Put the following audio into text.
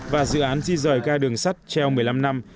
và dự án di rời ga đường sắt treo một mươi năm năm